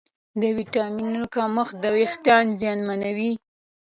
د ویټامینونو کمښت وېښتيان زیانمنوي.